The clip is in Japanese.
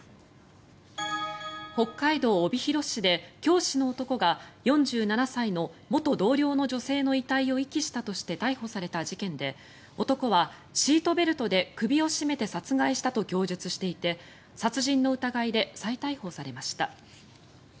北海道帯広市で教師の男が４７歳の元同僚の女性の遺体を遺棄したとして逮捕された事件で男はシートベルトで首を絞めて殺害したと供述していて殺人の疑いで再逮捕されました。